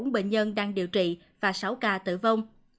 hai trăm một mươi bốn bệnh nhân đang điều trị và sáu ca tử vong